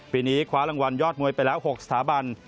ปีนี้คว้ารางวัลยอดมวยไปแล้ว๖สถาบัน